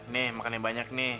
nih makan yang banyak nih